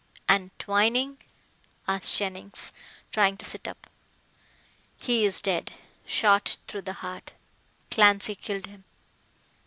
"And Twining?" asked Jennings, trying to sit up. "He is dead shot through the heart. Clancy killed him."